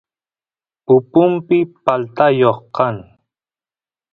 pupumpi paltayoq kan